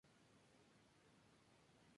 Actualmente trabaja en la Universidad de Toronto.